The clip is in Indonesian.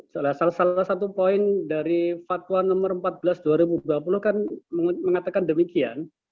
salah satu poin dari fatwa nomor empat belas dua ribu dua puluh kan mengatakan demikian